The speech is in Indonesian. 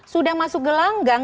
sudah masuk gelanggang